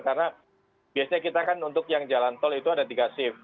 karena biasanya kita kan untuk yang jalan tol itu ada tiga shift